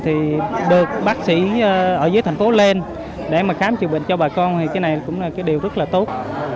thì được bác sĩ ở dưới thành phố lên để mà khám chữa bệnh cho bà con thì cái này cũng là cái điều rất là tốt